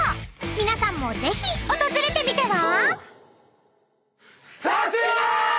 ［皆さんもぜひ訪れてみては？］